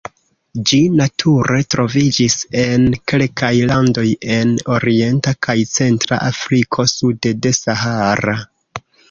Ĝi nature troviĝis en kelkaj landoj en Orienta kaj Centra Afriko sude de Sahara.